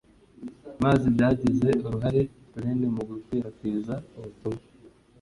mazi byagize uruhare runini mu gukwirakwiza ubutumwa